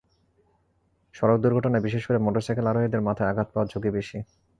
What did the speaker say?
সড়ক দুর্ঘটনায়, বিশেষ করে মোটরসাইকেল আরোহীদের মাথায় আঘাত পাওয়ার ঝুঁকি বেশি।